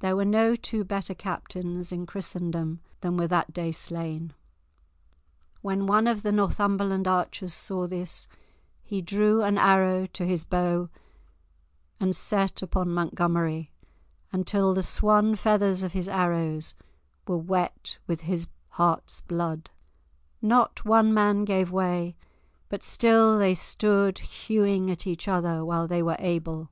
There were no two better captains in Christendom than were that day slain. When one of the Northumberland archers saw this, he drew an arrow to his bow and set upon Montgomery, until the swan feathers of his arrows were wet with his heart's blood. Not one man gave way, but still they stood hewing at each other, while they were able.